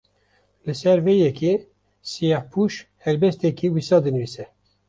Li ser vê yekê, Siyehpûş helbesteke wisa dinivîse